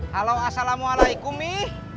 halo assalamualaikum mi